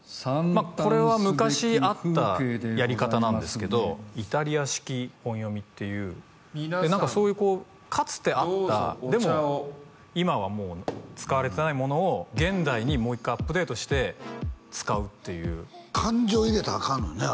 これは昔あったやり方なんですけどイタリア式本読みっていう何かそういうこうかつてあったでも今はもう使われてないものを現代にもう一回アップデートして使うっていう感情を入れたらアカンのよね？